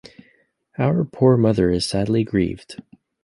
Our poor mother is sadly grieved.